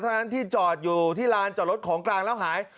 ทั้งนั้นที่จอดอยู่ที่ลานจอดรถของกลางแล้วหาย